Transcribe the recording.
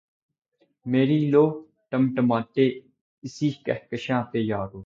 میری لؤ ٹمٹمائے اسی کہکشاں پہ یارو